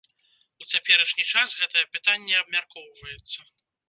У цяперашні час гэтае пытанне абмяркоўваецца.